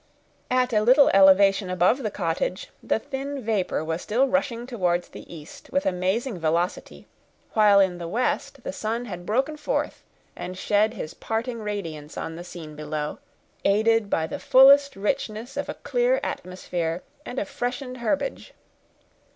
At a little elevation above the cottage, the thin vapor was still rushing towards the east with amazing velocity; while in the west the sun had broken forth and shed his parting radiance on the scene below, aided by the fullest richness of a clear atmosphere and a freshened herbage.